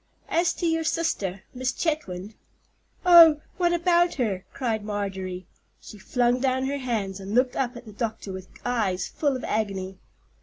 As to your sister, Miss Chetwynd——" "Oh, what about her?" cried Marjorie. She flung down her hands, and looked up at the doctor with eyes full of agony.